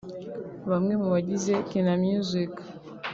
bamwe mu bagize Kina Music